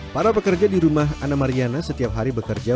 para pekerja di rumah ana mariana setiap hari bekerja